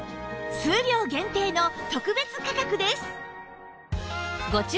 数量限定の特別価格です！